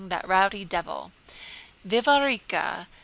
That rowdy devil." "Vivarika!